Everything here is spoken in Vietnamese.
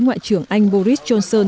ngoại trưởng anh boris johnson